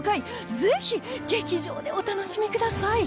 ぜひ劇場でお楽しみください